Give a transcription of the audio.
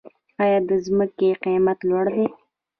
آیا د ځمکې قیمت لوړ دی؟